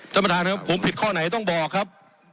ท่านประธานครับผมผิดข้อไหนต้องบอกครับ